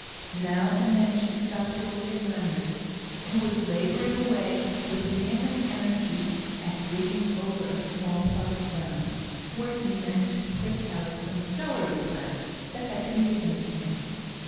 Now and then she stopped to look at Leonard, who was labouring away with vehement energy at digging over a small plot of ground, where he meant to prick out some celery plants that had been given to him.